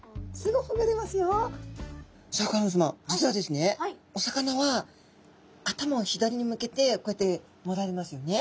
実はですねお魚は頭を左に向けてこうやってもられますよね。